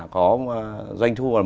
có doanh thu một mươi tỷ một năm